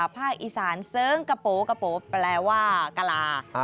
ภาคอีสานเซิงกะโป๊แปลว่ากะลา